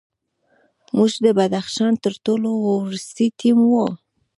موږ د بدخشان تر ټولو وروستی ټیم وو.